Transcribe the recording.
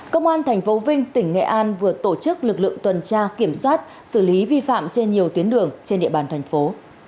công an tp vinh tỉnh nghệ an vừa tổ chức lực lượng tuần tra kiểm soát xử lý vi phạm trên nhiều tuyến đường trên địa bàn thành phố